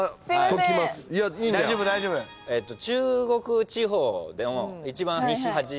中国地方でも一番西端。